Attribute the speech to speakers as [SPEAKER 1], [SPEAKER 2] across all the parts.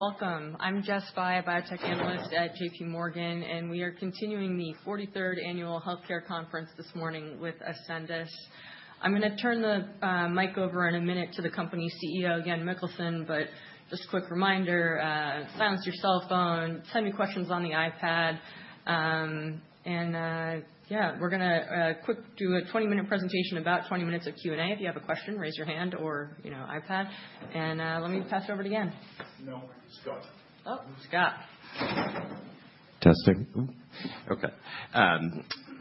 [SPEAKER 1] Welcome. I'm Jessica Fye, a Biotech Analyst at JPMorgan, and we are continuing the 43rd annual healthcare conference this morning with Ascendis. I'm going to turn the mic over in a minute to the company CEO, Jan Mikkelsen, but just a quick reminder, silence your cell phone, send me questions on the iPad, and yeah, we're going to do a 20-minute presentation about 20 minutes of Q&A. If you have a question, raise your hand or, you know, iPad, and let me pass it over to Jan.
[SPEAKER 2] No, we're good. Scott.
[SPEAKER 1] Oh, Scott.
[SPEAKER 3] Fantastic. Okay.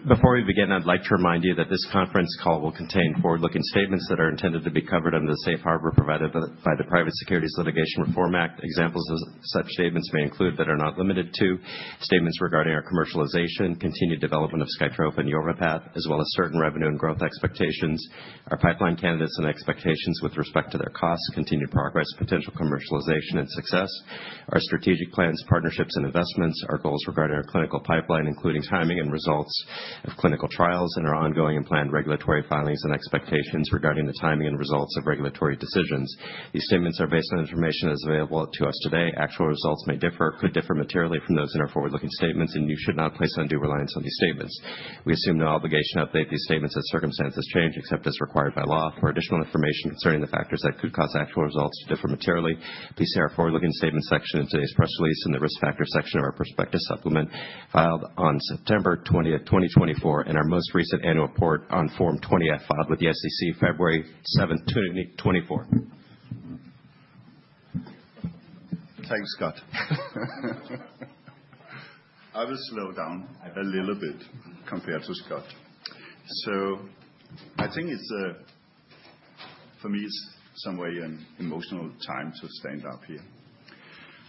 [SPEAKER 3] Before we begin, I'd like to remind you that this conference call will contain forward-looking statements that are intended to be covered under the Safe Harbor provided by the Private Securities Litigation Reform Act. Examples of such statements may include, but are not limited to, statements regarding our commercialization, continued development of Skytrofa and Yorvipath, as well as certain revenue and growth expectations, our pipeline candidates and expectations with respect to their costs, continued progress, potential commercialization, and success, our strategic plans, partnerships, and investments, our goals regarding our clinical pipeline, including timing and results of clinical trials, and our ongoing and planned regulatory filings and expectations regarding the timing and results of regulatory decisions. These statements are based on information as available to us today. Actual results may differ, could differ materially from those in our forward-looking statements, and you should not place undue reliance on these statements. We assume no obligation to update these statements as circumstances change, except as required by law. For additional information concerning the factors that could cause actual results to differ materially, please see our forward-looking statements section in today's press release and the risk factor section of our prospectus supplement filed on September 20, 2024, and our most recent annual report on Form 20-F filed with the SEC February 7, 2024.
[SPEAKER 2] Thanks, Scott. I will slow down a little bit compared to Scott. So I think it's, for me, it's some way an emotional time to stand up here.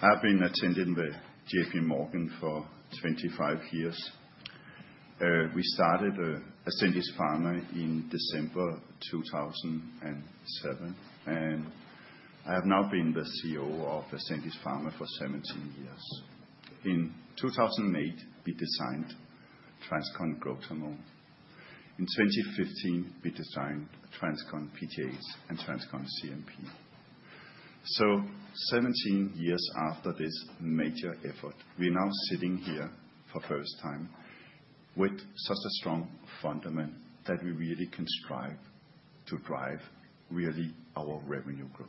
[SPEAKER 2] I've been attending the JPMorgan for 25 years. We started Ascendis Pharma in December 2007, and I have now been the CEO of Ascendis Pharma for 17 years. In 2008, we designed TransCon Growth Hormone. In 2015, we designed TransCon PTH and TransCon CNP. So 17 years after this major effort, we're now sitting here for the first time with such a strong fundament that we really can strive to drive really our revenue growth.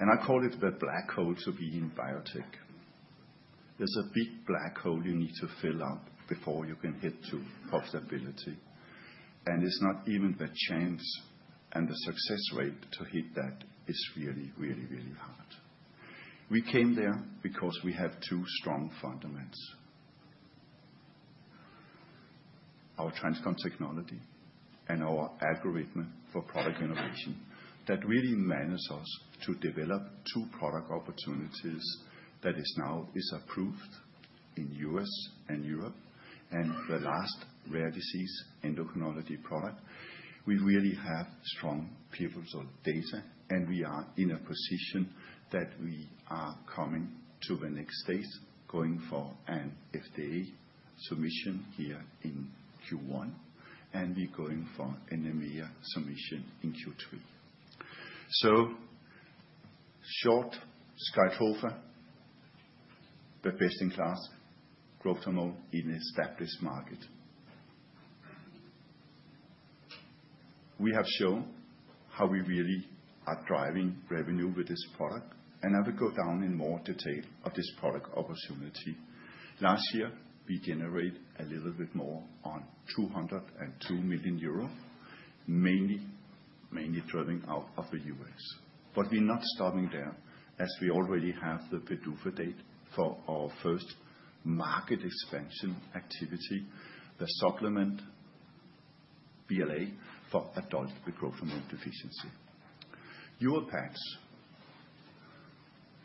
[SPEAKER 2] And I call it the black hole to be in biotech. There's a big black hole you need to fill up before you can hit to profitability. And it's not even the chance and the success rate to hit that is really, really, really hard. We came there because we have two strong fundamentals, our TransCon technology and our algorithm for product innovation that really enables us to develop two product opportunities that now are approved in the U.S. and Europe, and the last rare disease endocrinology product. We really have strong proofs of data, and we are in a position that we are coming to the next stage, going for an FDA submission here in Q1, and we're going for an EMA submission in Q2. In short, Skytrofa, the best-in-class growth hormone in an established market. We have shown how we really are driving revenue with this product, and I will go into more detail on this product opportunity. Last year, we generated a little bit more than 202 million euro, mainly driven out of the U.S. But we're not stopping there, as we already have the PDUFA date for our first market expansion activity, the supplement BLA for adult growth hormone deficiency. Yorvipath,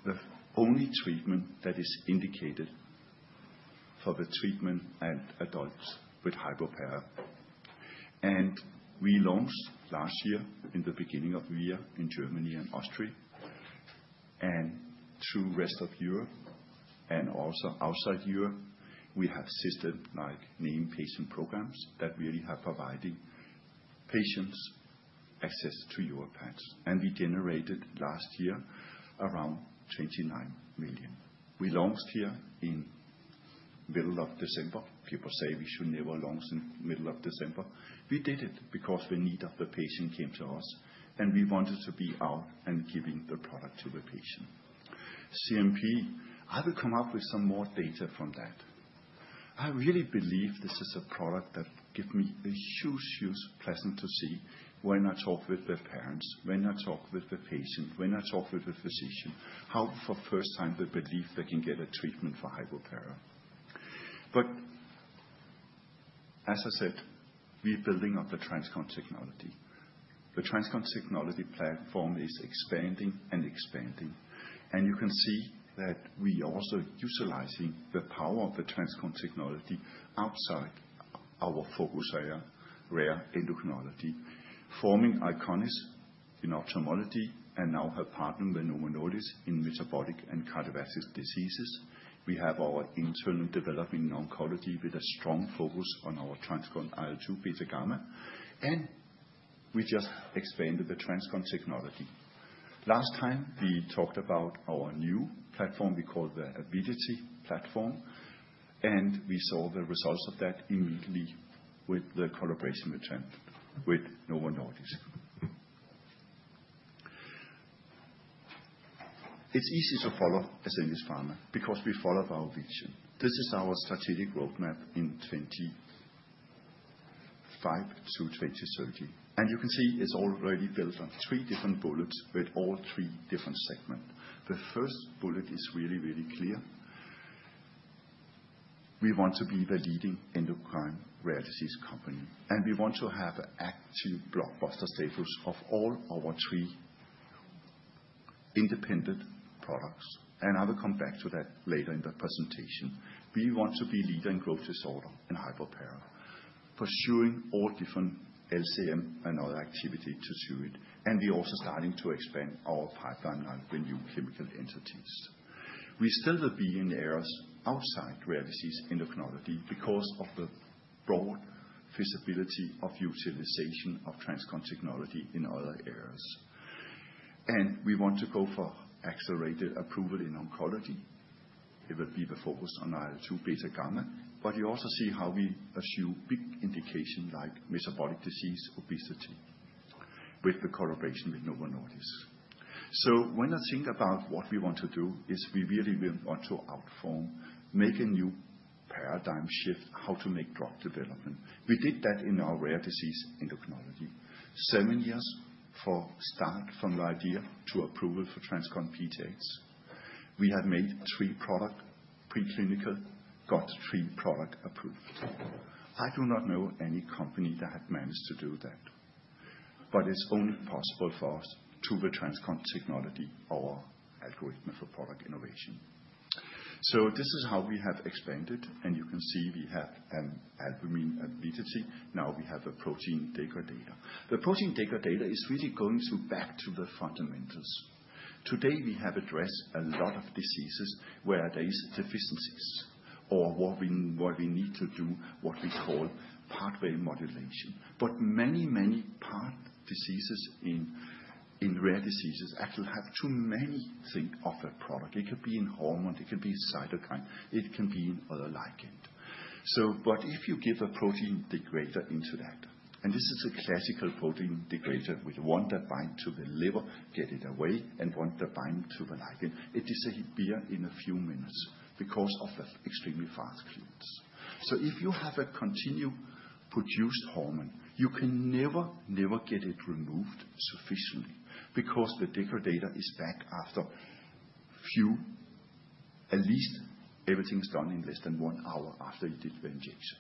[SPEAKER 2] the only treatment that is indicated for the treatment of adults with hypopara. And we launched last year in the beginning of the year in Germany and Austria, and through the rest of Europe and also outside Europe, we have named patient programs that really are providing patients access to Yorvipath. And we generated last year around 29 million. We launched here in the middle of December. People say we should never launch in the middle of December. We did it because we knew that the patient came to us, and we wanted to be out and giving the product to the patient. CNP, I will come up with some more data from that. I really believe this is a product that gives me a huge, huge pleasure to see when I talk with the parents, when I talk with the patient, when I talk with the physician, how for the first time they believe they can get a treatment for hypopara. But as I said, we're building up the TransCon technology. The TransCon technology platform is expanding and expanding, and you can see that we are also utilizing the power of the TransCon technology outside our focus area, rare endocrinology, forming Eyconis in ophthalmology, and now have partnered with Novo Nordisk in metabolic and cardiovascular diseases. We have our internal development in oncology with a strong focus on our TransCon IL-2 beta/gamma, and we just expanded the TransCon technology. Last time, we talked about our new platform. We called the Ability Platform, and we saw the results of that immediately with the collaboration with Novo Nordisk. It's easy to follow Ascendis Pharma because we followed our vision. This is our strategic roadmap in 2025-2030. And you can see it's already built on three different bullets with all three different segments. The first bullet is really, really clear. We want to be the leading endocrine rare disease company, and we want to have active blockbuster status of all our three independent products. And I will come back to that later in the presentation. We want to be leader in growth disorder and hypopara, pursuing all different LCM and other activity to do it. And we're also starting to expand our pipeline now with new chemical entities. We still will be in areas outside rare disease endocrinology because of the broad feasibility of utilization of TransCon technology in other areas. We want to go for accelerated approval in oncology. It will be the focus on IL-2 beta/gamma, but you also see how we assume big indications like metabolic disease, obesity, with the collaboration with Novo Nordisk. When I think about what we want to do, we really want to outperform, make a new paradigm shift how to make drug development. We did that in our rare disease endocrinology. Seven years for start from the idea to approval for TransCon PTH. We have made three products preclinical, got three products approved. I do not know any company that had managed to do that, but it's only possible for us through the TransCon technology, our algorithm for product innovation. So this is how we have expanded, and you can see we have TransCon ability. Now we have a protein degrader. The protein degrader is really going back to the fundamentals. Today, we have addressed a lot of diseases where there are deficiencies or what we need to do, what we call pathway modulation. But many, many path diseases in rare diseases actually have too many things of a product. It could be a hormone, it could be a cytokine, it can be in others like it. So what if you give a protein degrader into that? And this is a classical protein degrader with one that binds to the liver, get it away, and one that binds to the ligand. It disappears in a few minutes because of the extremely fast clearance. If you have a continuously produced hormone, you can never, never get it removed sufficiently because the degrader is back after a few. At least everything's done in less than one hour after you did the injection.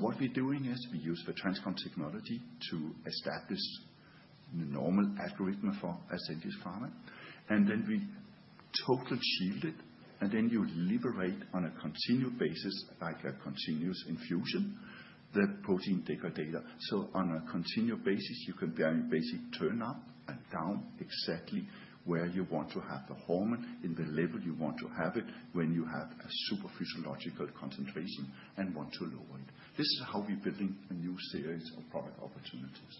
[SPEAKER 2] What we're doing is we use the TransCon technology to establish the normal algorithm for Ascendis Pharma, and then we totally shield it, and then you liberate on a continued basis, like a continuous infusion, the protein degrader. On a continued basis, you can very basically turn up and down exactly where you want to have the hormone in the level you want to have it when you have a super physiological concentration and want to lower it. This is how we're building a new series of product opportunities.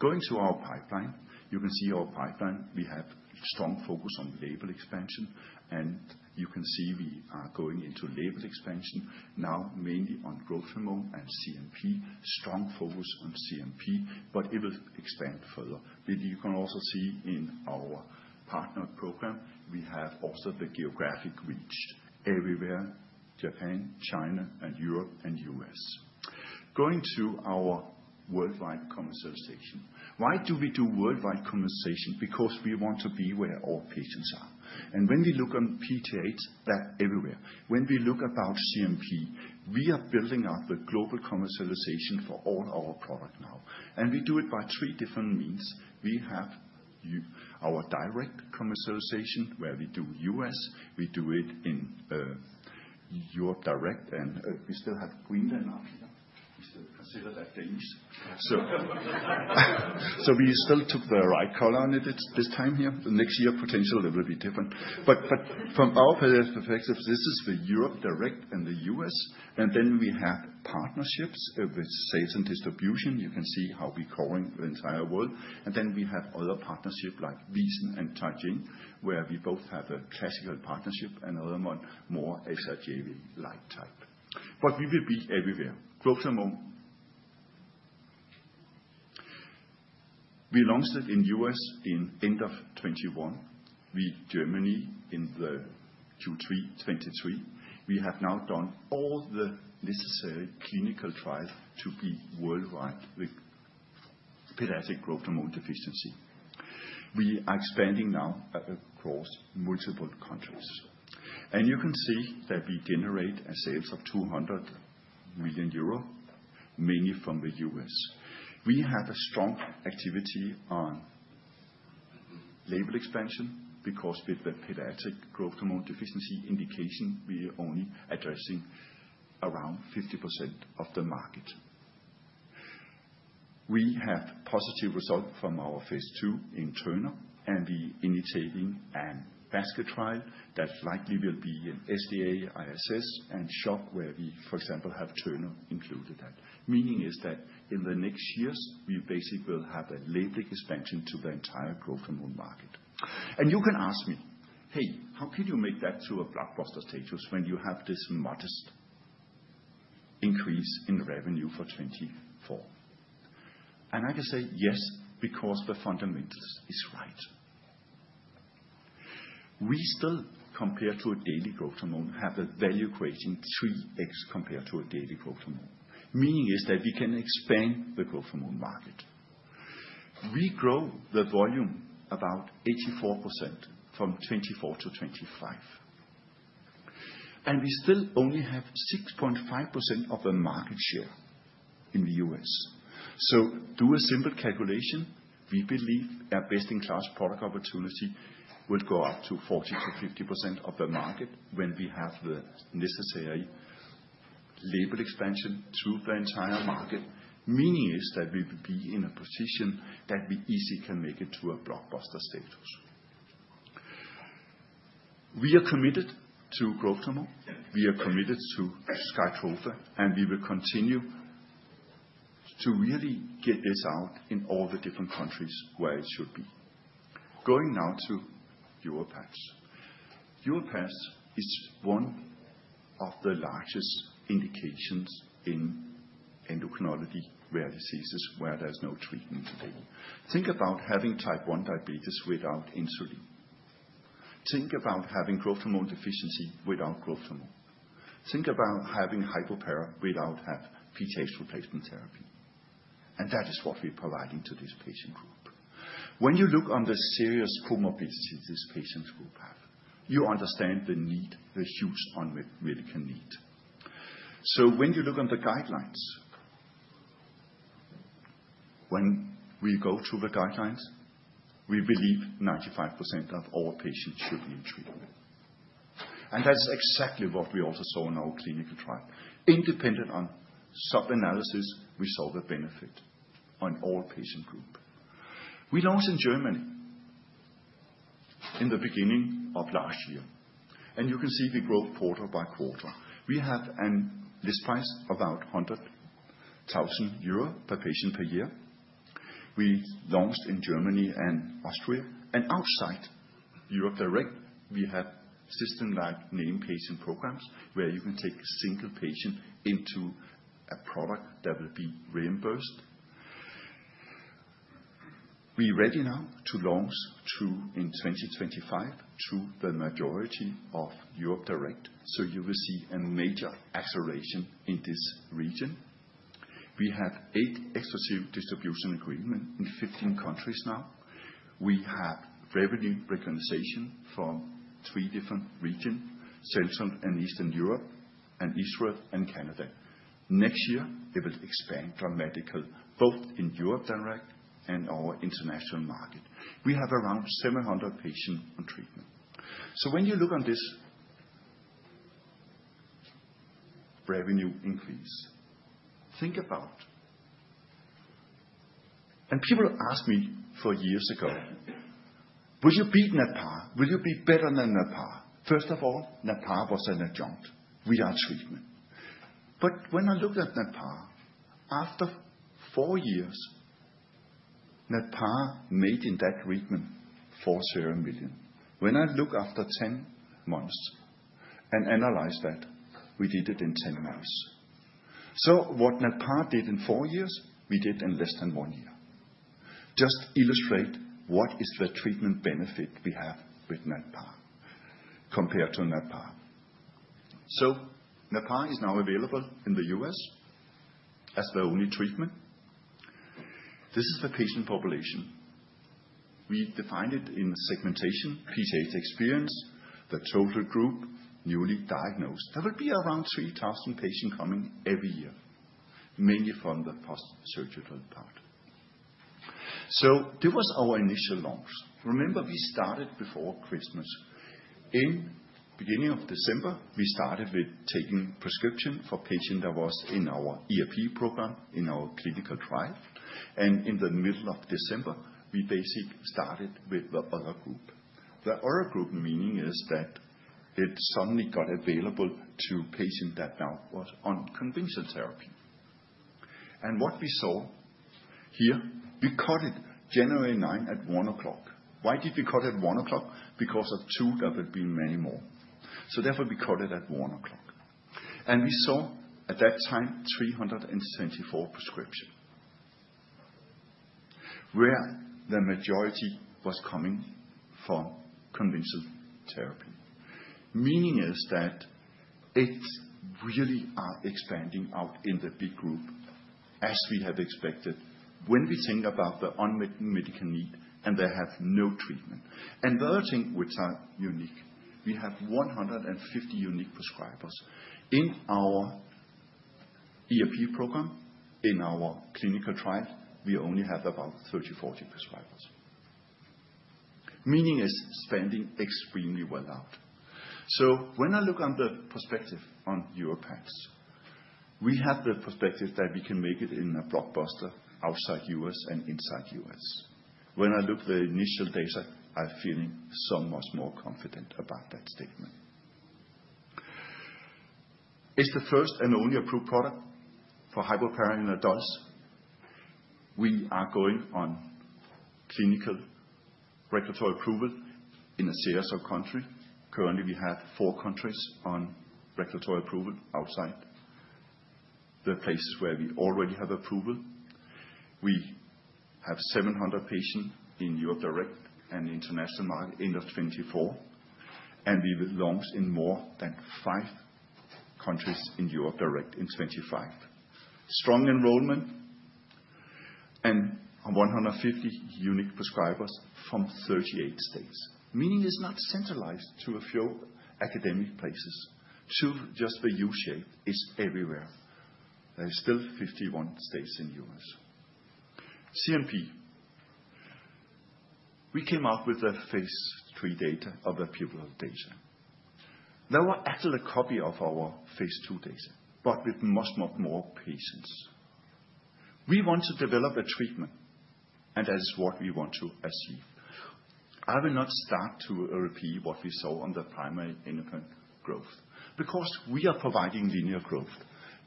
[SPEAKER 2] Going to our pipeline, you can see our pipeline. We have a strong focus on label expansion, and you can see we are going into label expansion now mainly on Growth Hormone and CNP, strong focus on CNP, but it will expand further. You can also see in our partner program, we have also the geographic reach everywhere, Japan, China, Europe, and U.S. Going to our worldwide commercialization. Why do we do worldwide commercialization? Because we want to be where all patients are. And when we look on PTH, that's everywhere. When we look about CNP, we are building up the global commercialization for all our products now. And we do it by three different means. We have our direct commercialization where we do U.S., we do it in Europe direct, and we still have Greenland up here. We still consider that the east. So we still took the right color on it this time here. Next year, potentially it will be different. But from our perspective, this is the Europe direct and the U.S. And then we have partnerships with sales and distribution. You can see how we're covering the entire world. And then we have other partnerships like VISEN and Teijin, where we both have a classical partnership and other more SRJV-like type. But we will be everywhere. Growth hormone. We launched it in the U.S. in the end of 2021. We're in Germany in Q3 2023. We have now done all the necessary clinical trials to be worldwide with pediatric growth hormone deficiency. We are expanding now across multiple countries. And you can see that we generate sales of 200 million euro, mainly from the U.S. We have a strong activity on label expansion because with the pediatric growth hormone deficiency indication, we are only addressing around 50% of the market. We have positive results from our phase II in Turner, and we are initiating a basket trial that likely will be an SGA, ISS, and SHOX where we, for example, have Turner included that. Meaning is that in the next years, we basically will have a label expansion to the entire growth hormone market. And you can ask me, hey, how can you make that to a blockbuster status when you have this modest increase in revenue for 2024? And I can say, yes, because the fundamentals are right. We still, compared to a daily growth hormone, have a value creating 3x compared to a daily growth hormone. Meaning is that we can expand the growth hormone market. We grow the volume about 84% from 2024 to 2025. And we still only have 6.5% of the market share in the U.S. So do a simple calculation. We believe our best-in-class product opportunity will go up to 40%-50% of the market when we have the necessary label expansion through the entire market. Meaning is that we will be in a position that we easily can make it to a blockbuster status. We are committed to TransCon Growth Hormone. We are committed to Skytrofa, and we will continue to really get this out in all the different countries where it should be. Going now to Yorvipath. Yorvipath is one of the largest indications in endocrinology rare diseases where there's no treatment today. Think about having type 1 diabetes without insulin. Think about having TransCon Growth Hormone deficiency without TransCon Growth Hormone. Think about having hypopara without PTH replacement therapy. And that is what we're providing to this patient group. When you look on the serious comorbidities this patient group has, you understand the need, the huge unmet medical need. So when you look on the guidelines, when we go through the guidelines, we believe 95% of all patients should be in treatment. And that's exactly what we also saw in our clinical trial. In sub-analysis, we saw the benefit in all patient groups. We launched in Germany in the beginning of last year. And you can see we grow quarter by quarter. We have a list price of about 100,000 euro per patient per year. We launched in Germany and Austria. And outside Europe direct, we have named patient programs where you can take a single patient into a product that will be reimbursed. We're ready now to launch in 2025 through the majority of Europe direct. So you will see a major acceleration in this region. We have eight exclusive distribution agreements in 15 countries now. We have revenue recognition from three different regions, Central and Eastern Europe, and Israel and Canada. Next year, it will expand dramatically both in Europe direct and our international market. We have around 700 patients on treatment. So when you look on this revenue increase, think about, and people asked me four years ago, will you beat Natpara? Will you be better than Natpara? First of all, Natpara was an adjunct without treatment. But when I looked at Natpara, after four years, Natpara made in that treatment 400 million. When I look after 10 months and analyze that, we did it in 10 months. So what Natpara did in four years, we did in less than one year. Just illustrate what is the treatment benefit we have with Natpara compared to Natpara. So Natpara is now available in the U.S. as the only treatment. This is the patient population. We defined it in segmentation, PTH experience, the total group, newly diagnosed. There will be around 3,000 patients coming every year, mainly from the post-surgical part. This was our initial launch. Remember, we started before Christmas. In the beginning of December, we started with taking prescription for patients that were in our EAP program, in our clinical trial. In the middle of December, we basically started with the other group. The other group meaning is that it suddenly got available to patients that now were on conventional therapy. What we saw here, we cut it January 9 at 1:00 P.M. Why did we cut it at 1:00 P.M.? Because we thought there would be many more. Therefore, we cut it at 1:00 P.M. We saw at that time 374 prescriptions, where the majority was coming from conventional therapy. Meaning is that it really is expanding out in the big group as we have expected when we think about the unmet medical need and they have no treatment. The other thing which is unique, we have 150 unique prescribers. In our EAP program, in our clinical trial, we only have about 30-40 prescribers. Meaning is expanding extremely well out. When I look on the perspective on Yorvipath, we have the perspective that we can make it in a blockbuster outside U.S. and inside U.S. When I look at the initial data, I'm feeling so much more confident about that statement. It's the first and only approved product for hypoparathyroidism adults. We are going on clinical regulatory approval in several countries. Currently, we have four countries on regulatory approval outside the places where we already have approval. We have 700 patients in Europe direct and international market end of 2024, and we will launch in more than five countries in Europe direct in 2025. Strong enrollment and 150 unique prescribers from 38 states. Meaning it's not centralized to a few academic places. Just the U shape is everywhere. There are still 51 states in the U.S. CNP, we came out with the phase III data, the pivotal data. There were actually an echo of our phase II data, but with much more patients. We want to develop a treatment, and that is what we want to achieve. I will not start to repeat what we saw on the primary endpoint growth because we are providing linear growth,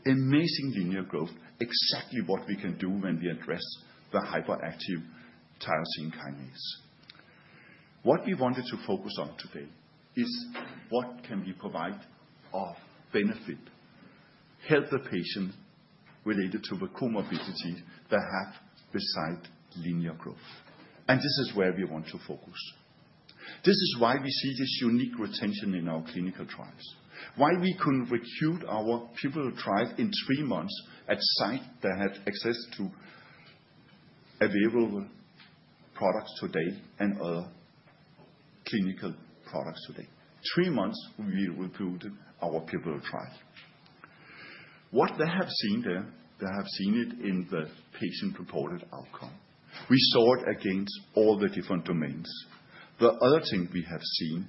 [SPEAKER 2] amazing linear growth, exactly what we can do when we address the hyperactive tyrosine kinase. What we wanted to focus on today is what can we provide of benefit, help the patient related to the comorbidity they have beside linear growth, and this is where we want to focus. This is why we see this unique retention in our clinical trials, why we couldn't recruit our pediatric trial in three months at a site that had access to available products today and other clinical products today. Three months, we recruited our pediatric trial. What they have seen there, they have seen it in the patient-reported outcome. We saw it against all the different domains. The other thing we have seen,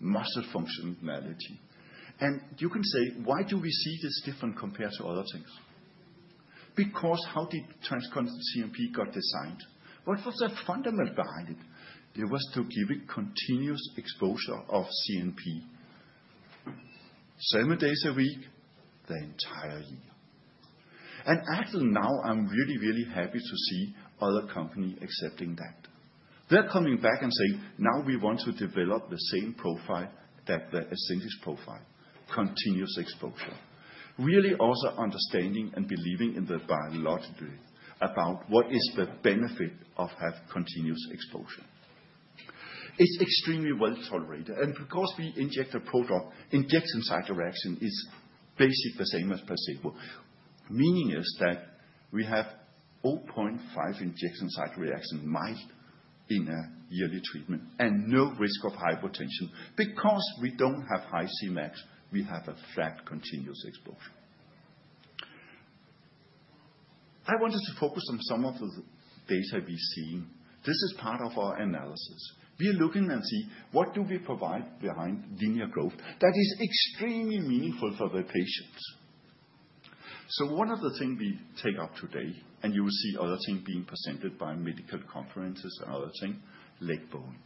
[SPEAKER 2] muscle functionality. And you can say, why do we see this different compared to other things? Because how did TransCon CNP get designed? What was the fundamental behind it? It was to give it continuous exposure of CNP, seven days a week, the entire year. Actually now, I'm really, really happy to see other companies accepting that. They're coming back and saying, now we want to develop the same profile that the Ascendis profile, continuous exposure. Really also understanding and believing in the biology about what is the benefit of having continuous exposure. It's extremely well tolerated. And because we inject a prodrug, injection site reaction is basically the same as placebo. Meaning is that we have 0.5 injection site reaction mild in a yearly treatment and no risk of hypotension. Because we don't have high Cmax, we have a flat continuous exposure. I wanted to focus on some of the data we've seen. This is part of our analysis. We are looking and seeing what do we provide behind linear growth that is extremely meaningful for the patients, so one of the things we take up today, and you will see other things being presented by medical conferences and other things, leg bowing,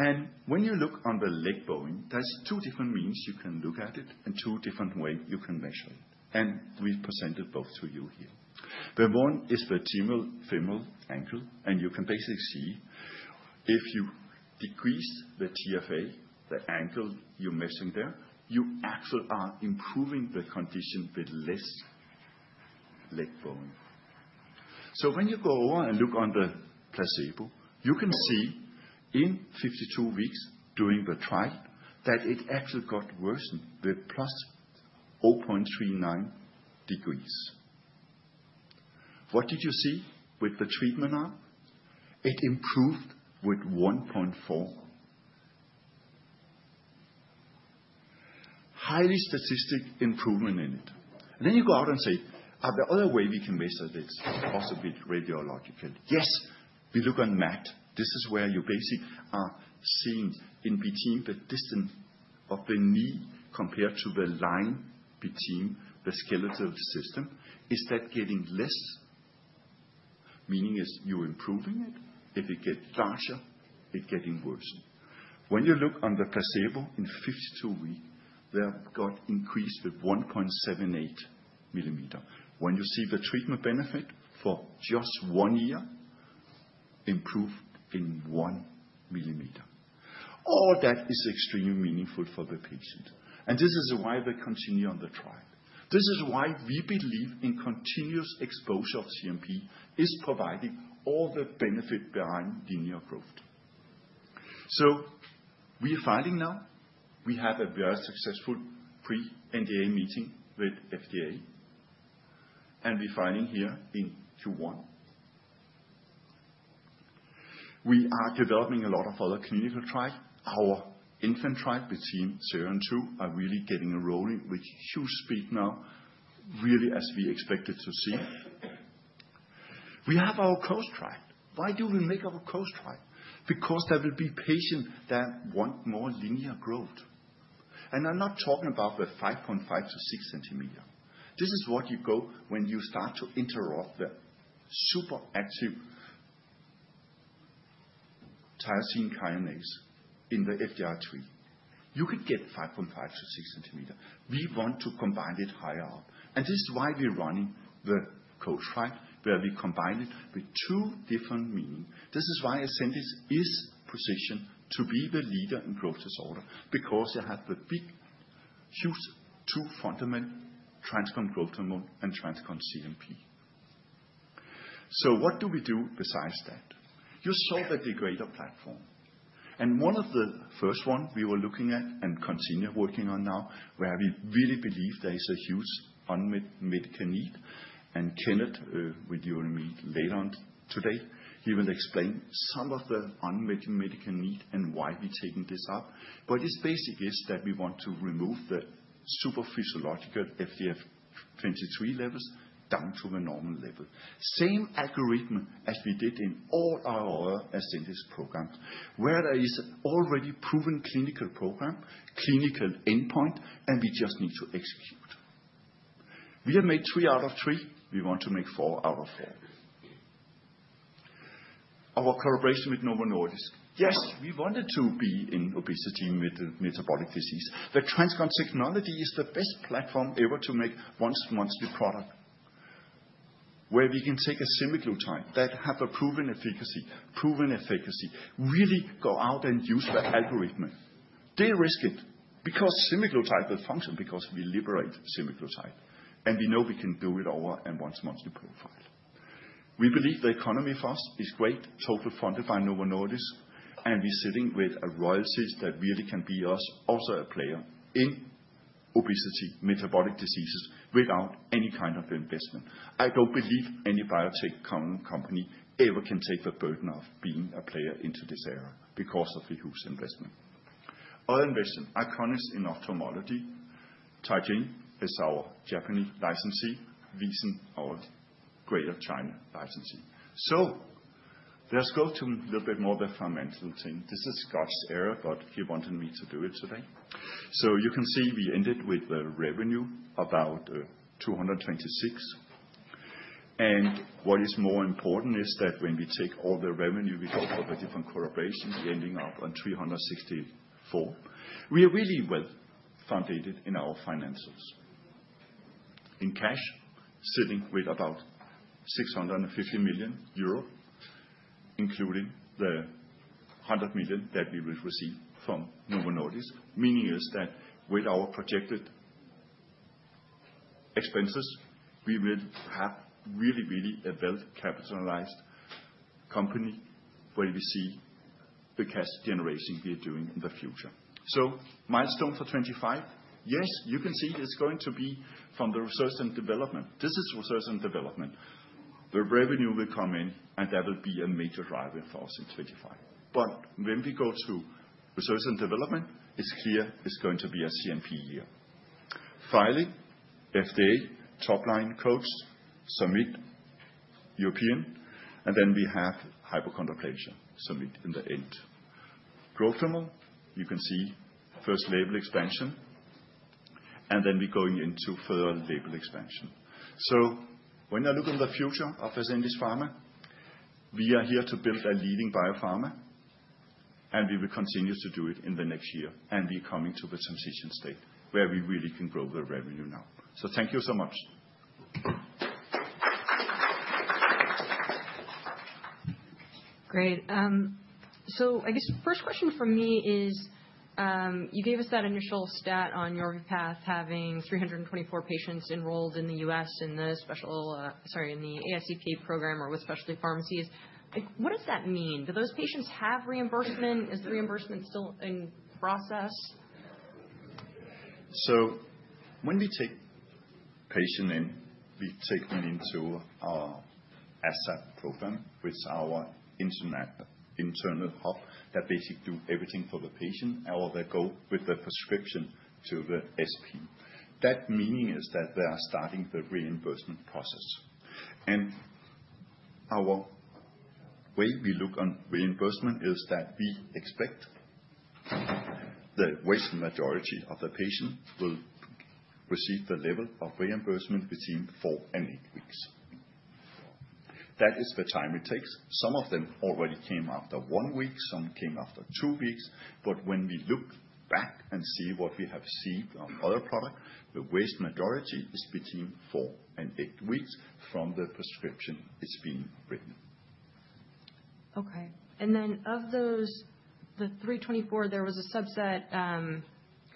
[SPEAKER 2] and when you look on the leg bowing, there's two different means you can look at it and two different ways you can measure it, and we presented both to you here. The one is the femoral angle, and you can basically see if you decrease the TFA, the angle you're measuring there, you actually are improving the condition with less leg bowing, so when you go over and look on the placebo, you can see in 52 weeks during the trial that it actually got worsened with +0.39 degrees. What did you see with the treatment now? It improved with 1.4 degrees. Highly statistical improvement in it. Then you go out and say, are there other ways we can measure this? Possibly radiological. Yes, we look on MAD. This is where you basically are seeing in between the distance of the knee compared to the line between the skeletal system. Is that getting less? Meaning is you're improving it. If it gets larger, it's getting worse. When you look on the placebo in 52 weeks, they've got increased with 1.78 mm. When you see the treatment benefit for just one year, improved in one millimeter. All that is extremely meaningful for the patient, and this is why we continue on the trial. This is why we believe in continuous exposure of CNP is providing all the benefit behind linear growth, so we are filing now. We have a very successful pre-NDA meeting with FDA, and we're filing here in Q1. We are developing a lot of other clinical trials. Our infant trial between 0 cm-2 cm are really getting rolling with huge speed now, really as we expected to see. We have our cross trial. Why do we make our cross trial? Because there will be patients that want more linear growth. And I'm not talking about the 5.5 cm-6 cm. This is what you go when you start to interrupt the super active tyrosine kinase in the FGFR3. You could get 5.5 cm-6 cm. We want to combine it higher up. And this is why we're running the cross trial where we combine it with two different meanings. This is why Ascendis is positioned to be the leader in growth disorder because you have the big huge two fundamental TransCon growth hormone and TransCon CNP. So what do we do besides that? You saw the degrader platform. One of the first ones we were looking at and continue working on now, where we really believe there is a huge unmet medical need. Kennett will join me later on today. He will explain some of the unmet medical need and why we're taking this up, but his basic is that we want to remove the supraphysiological FGF23 levels down to the normal level. Same algorithm as we did in all our other Ascendis programs, where there is already proven clinical program, clinical endpoint, and we just need to execute. We have made three out of three. We want to make four out of four. Our collaboration with Novo Nordisk. Yes, we wanted to be in obesity metabolic disease. The TransCon technology is the best platform ever to make one monthly product where we can take a semaglutide that has proven efficacy, proven efficacy, really go out and use the algorithm. De-risk it because semaglutide will function because we liberate semaglutide. And we know we can do it over and once monthly profile. We believe the economy first is great, totally funded by Novo Nordisk, and we're sitting with a royalties that really can be us also a player in obesity metabolic diseases without any kind of investment. I don't believe any biotech company ever can take the burden of being a player into this era because of the huge investment. Other investment, Eyconis in ophthalmology, Teijin is our Japanese licensee, VISEN our Greater China licensee. So let's go to a little bit more the fundamental thing. This is Scott's error, but he wanted me to do it today. You can see we ended with the revenue about 226 million. And what is more important is that when we take all the revenue, we got all the different collaborations, we're ending up on 364 million. We are really well funded in our financials. In cash, sitting with about 650 million euro, including the 100 million that we will receive from Novo Nordisk. Meaning is that with our projected expenses, we will have really, really a well-capitalized company where we see the cash generation we are doing in the future. Milestone for 2025, yes, you can see it's going to be from the research and development. This is research and development. The revenue will come in, and that will be a major driver for us in 2025. But when we go to research and development, it's clear it's going to be a CNP year. Finally, FDA top-line data, European Summit, and then we have Hypopara Summit in the end. Growth hormone, you can see first label expansion, and then we're going into further label expansion. So when I look on the future of Ascendis Pharma, we are here to build a leading biopharma, and we will continue to do it in the next year. And we are coming to the transition state where we really can grow the revenue now. So thank you so much.
[SPEAKER 1] Great. So I guess first question for me is you gave us that initial stat on Yorvipath having 324 patients enrolled in the U.S. in the specialty, sorry, in the EAP program or with specialty pharmacies. What does that mean? Do those patients have reimbursement? Is the reimbursement still in process?
[SPEAKER 2] When we take patients in, we take them into our ASAP program with our internal hub that basically does everything for the patient or they go with the prescription to the SP. That meaning is that they are starting the reimbursement process. Our way we look on reimbursement is that we expect the vast majority of the patients will receive the level of reimbursement between four and eight weeks. That is the time it takes. Some of them already came after one week, some came after two weeks. But when we look back and see what we have received on other products, the vast majority is between four and eight weeks from the prescription it's being written.
[SPEAKER 1] Okay. And then of those, the 324, there was a subset,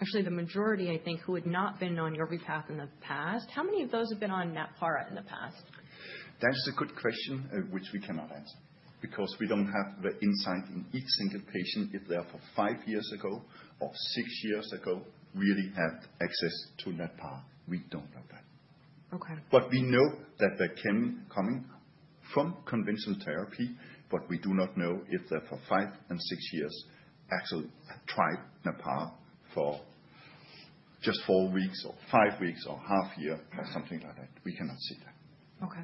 [SPEAKER 1] actually the majority, I think, who had not been on your Yorvipath in the past. How many of those have been on Natpara in the past?
[SPEAKER 2] That's a good question which we cannot answer because we don't have the insight in each single patient if they are from five years ago or six years ago really have access to Natpara. We don't know that. But we know that they're coming from conventional therapy, but we do not know if they're for five and six years actually tried Natpara for just four weeks or five weeks or half year or something like that. We cannot see that.
[SPEAKER 1] Okay.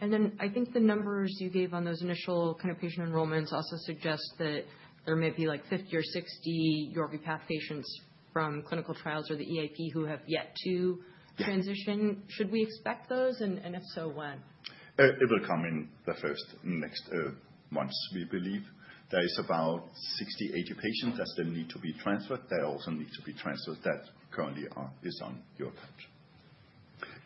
[SPEAKER 1] And then I think the numbers you gave on those initial kind of patient enrollments also suggest that there may be like 50 or 60 Yorvipath patients from clinical trials or the EAP who have yet to transition. Should we expect those? And if so, when?
[SPEAKER 2] It will come in the first next months, we believe. There are about 60-80 patients that still need to be transferred. There also need to be transferred that currently are on Yorvipath.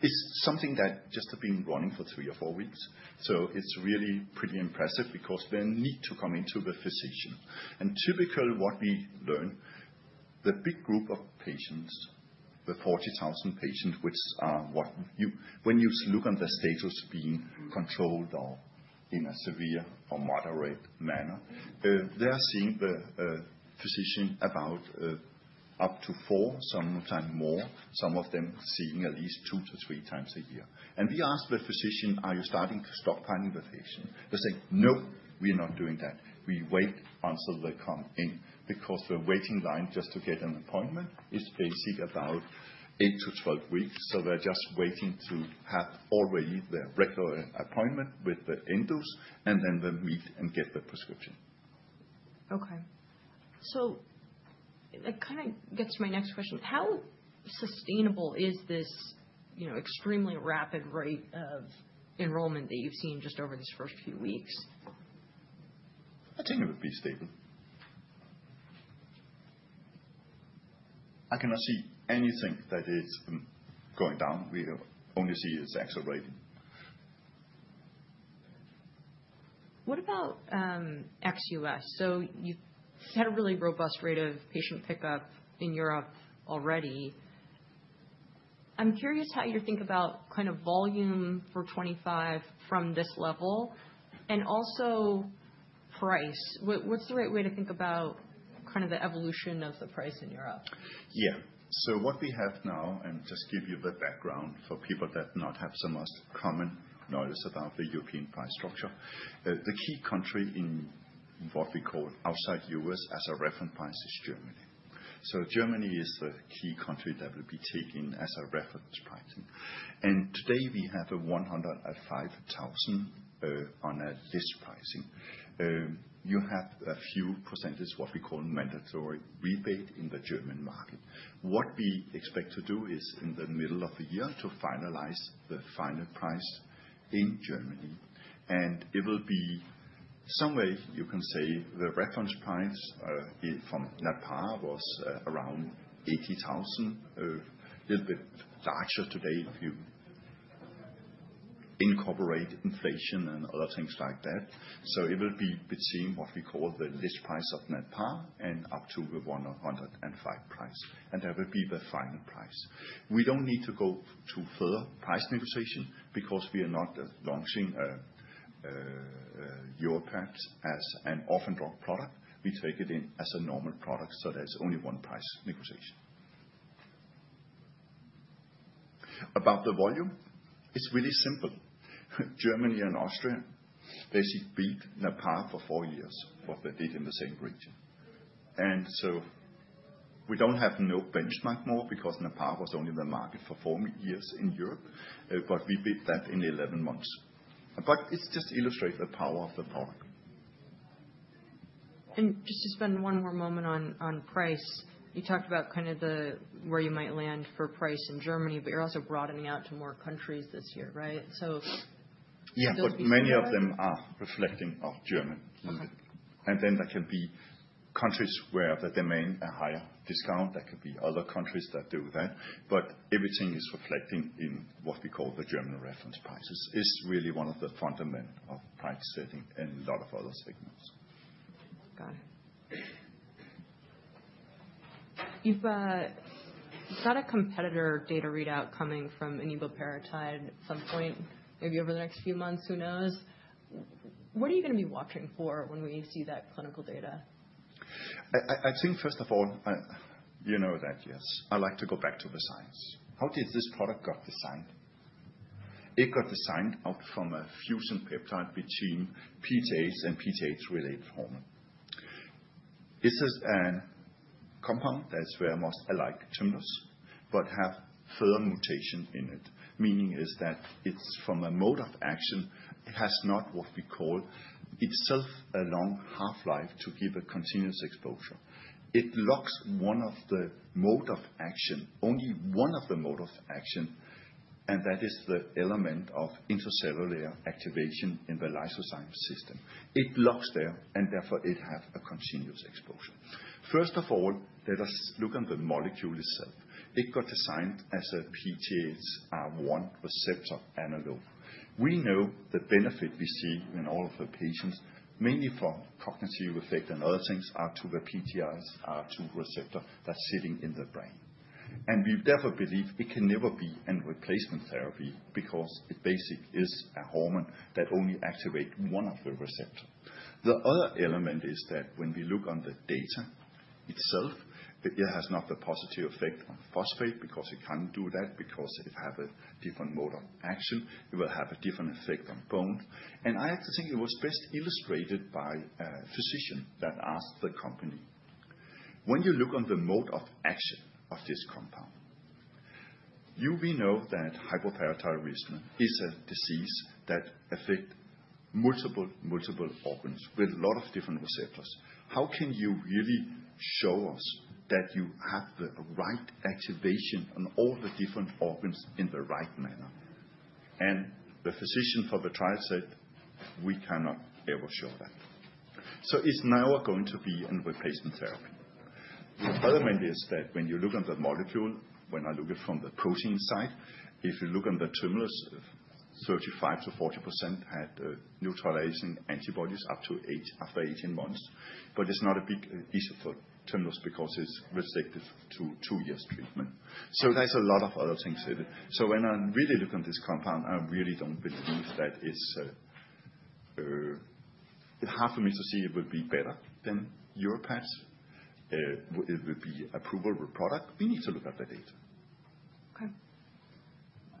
[SPEAKER 2] It's something that just has been running for three or four weeks, so it's really pretty impressive because they need to come into the physician. And typically what we learn, the big group of patients, the 40,000 patients which are what you when you look on their status being controlled or in a severe or moderate manner, they are seeing the physician about up to four, sometimes more, some of them seeing at least two to three times a year, and we ask the physician, are you starting to stockpiling the patient? They say, no, we're not doing that we wait until they come in, because the waiting line just to get an appointment is basically about 8-12 weeks. So they're just waiting to have already their regular appointment with the endocrinologist and then they meet and get the prescription.
[SPEAKER 1] Okay. So that kind of gets to my next question. How sustainable is this extremely rapid rate of enrollment that you've seen just over these first few weeks?
[SPEAKER 2] I think it would be stable. I cannot see anything that is going down. We only see it's accelerating.
[SPEAKER 1] What about ex-US? So you had a really robust rate of patient pickup in Europe already. I'm curious how you think about kind of volume for 2025 from this level and also price. What's the right way to think about kind of the evolution of the price in Europe?
[SPEAKER 2] Yeah. So what we have now and just give you the background for people that not have so much common knowledge about the European price structure. The key country in what we call outside the U.S. as a reference price is Germany, so Germany is the key country that will be taken as a reference pricing. And today we have 105,000 on a list pricing. You have a few percentage, what we call mandatory rebate in the German market. What we expect to do is in the middle of the year to finalize the final price in Germany. And it will be some way you can say the reference price from Natpara was around 80,000, a little bit larger today if you incorporate inflation and other things like that, so it will be between what we call the list price of Natpara and up to the 105,000 price. And that will be the final price. We don't need to go to further price negotiation because we are not launching Yorvipath as an orphan drug product. We take it in as a normal product. So there's only one price negotiation. About the volume, it's really simple. Germany and Austria basically beat Natpara for four years what they did in the same region. And so we don't have no benchmark more because Natpara was only the market for four years in Europe, but we beat that in 11 months. But it's just illustrate the power of the product.
[SPEAKER 1] Just to spend one more moment on price, you talked about kind of the where you might land for price in Germany, but you're also broadening out to more countries this year, right? So.
[SPEAKER 2] Yeah, but many of them are reflecting our German market. And then there can be countries where the demand are higher discount. There could be other countries that do that. But everything is reflecting in what we call the German reference prices. It's really one of the fundamental price setting and a lot of other segments.
[SPEAKER 1] Got it. You've got a competitor data readout coming from eneboparatide at some point, maybe over the next few months, who knows? What are you going to be watching for when we see that clinical data?
[SPEAKER 2] I think first of all, you know that, yes. I like to go back to the science. How did this product get designed? It got designed out from a fusion peptide between PTH and PTH related hormone. It's a compound that's very much alike Tymlos, but have further mutation in it. Meaning is that it's from a mode of action. It has not what we call itself a long half-life to give a continuous exposure. It locks one of the mode of action, only one of the mode of action, and that is the element of intracellular activation in the lysosomal system. It locks there and therefore it has a continuous exposure. First of all, let us look on the molecule itself. It got designed as a PTH1R receptor analog. We know the benefit we see in all of the patients, mainly for cognitive effect and other things, are to the PTH2 receptor that's sitting in the brain. And we therefore believe it can never be a replacement therapy because it basically is a hormone that only activates one of the receptors. The other element is that when we look on the data itself, it has not the positive effect on phosphate because it can't do that because it has a different mode of action. It will have a different effect on bone. And I think it was best illustrated by a physician that asked the company. When you look on the mode of action of this compound, you know that hypoparathyroidism is a disease that affects multiple, multiple organs with a lot of different receptors. How can you really show us that you have the right activation on all the different organs in the right manner? and the physician for the trial said, we cannot ever show that. So it's now going to be a replacement therapy. The other main thing is that when you look on the molecule, when I look at it from the protein side, if you look on the Tymlos, 35%-40% had neutralizing antibodies up to 8 after 18 months. But it's not a big issue for Tymlos because it's restricted to two years treatment. So there's a lot of other things in it. So when I really look on this compound, I really don't believe that it's hard for me to see it would be better than Yorvipath. It would be a provable product. We need to look at the data.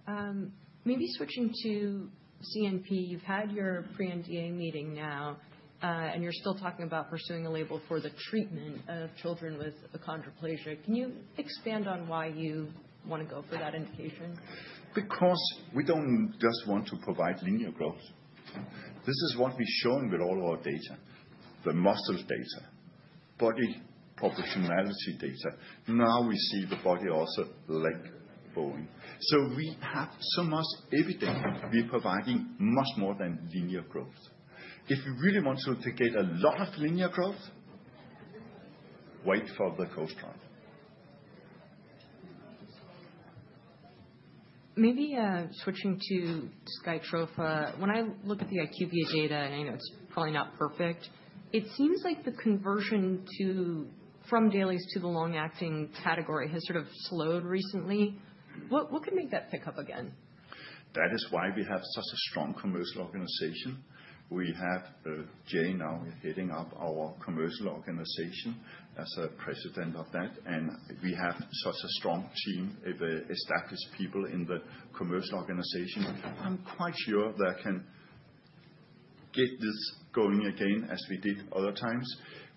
[SPEAKER 1] Okay. Maybe switching to CNP, you've had your pre-BLA meeting now, and you're still talking about pursuing a label for the treatment of children with achondroplasia. Can you expand on why you want to go for that indication?
[SPEAKER 2] Because we don't just want to provide linear growth. This is what we've shown with all our data, the muscle data, body proportionality data. Now we see the body also leg bowing. So we have so much evidence we're providing much more than linear growth. If you really want to get a lot of linear growth, wait for the cross trial.
[SPEAKER 1] Maybe switching to Skytrofa, when I look at the IQVIA data, and I know it's probably not perfect, it seems like the conversion from dailies to the long-acting category has sort of slowed recently. What could make that pick up again?
[SPEAKER 3] That is why we have such a strong commercial organization. We have Jay now heading up our commercial organization as a president of that. And we have such a strong team of established people in the commercial organization. I'm quite sure they can get this going again as we did other times.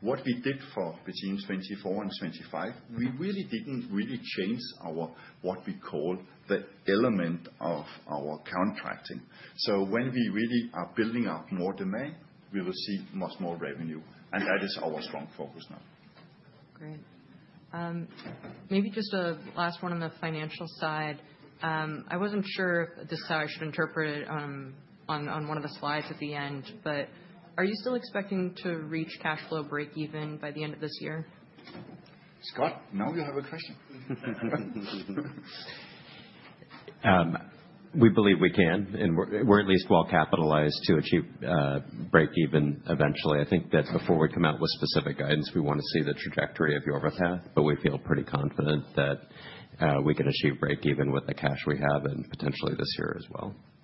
[SPEAKER 3] What we did for between 2024 and 2025, we really didn't change our what we call the element of our contracting. So when we really are building up more demand, we will see much more revenue. And that is our strong focus now.
[SPEAKER 1] Great. Maybe just a last one on the financial side. I wasn't sure if this is how I should interpret it on one of the slides at the end, but are you still expecting to reach cash flow break-even by the end of this year?
[SPEAKER 2] Scott, now you have a question.
[SPEAKER 3] We believe we can, and we're at least well capitalized to achieve break-even eventually. I think that before we come out with specific guidance, we want to see the trajectory of Yorvipath, but we feel pretty confident that we can achieve break-even with the cash we have and potentially this year as well.